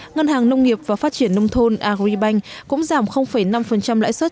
ngân hàng nông nghiệp và phát triển nông thôn agribank cũng giảm năm lãi xuất